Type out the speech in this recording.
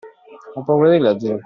Ho paura di leggere.